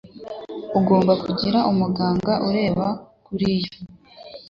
Ugomba kugira umuganga ureba kuriya.